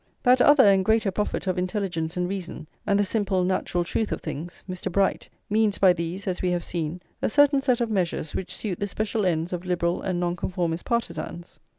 That [lii] other and greater prophet of intelligence, and reason, and the simple natural truth of things, Mr. Bright, means by these, as we have seen, a certain set of measures which suit the special ends of Liberal and Nonconformist partisans.